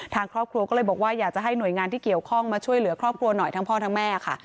ทางครอบครัวก็เลยบอกว่าอยากจะให้หน่วยงานที่เกี่ยวข้องมาช่วยเหลือครอบครัวหน่อยทั้งพ่อทั้งแม่ค่ะ